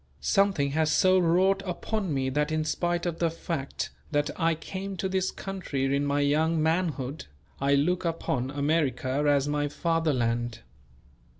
Something has so wrought upon me that in spite of the fact that I came to this country in my young manhood, I look upon America as my Fatherland.